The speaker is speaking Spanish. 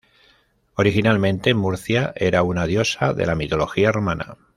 Originalmente Murcia era una diosa de la mitología romana.